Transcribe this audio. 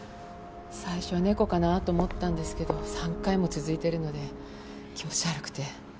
最初は猫かなと思ったんですけど３回も続いているので気持ち悪くて。